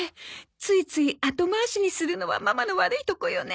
ついつい後回しにするのはママの悪いとこよね。